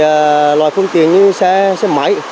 các loại phương tiện như xe máy